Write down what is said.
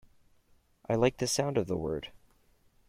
I like the sound of the word.